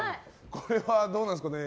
これはどうなんですかね。